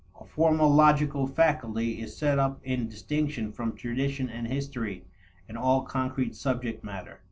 A formal logical faculty is set up in distinction from tradition and history and all concrete subject matter.